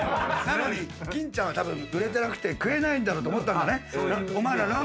なのに欽ちゃんはたぶん売れてなくて食えないんだろと思ったんだね。